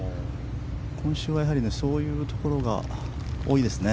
今週はそういうところが多いですね。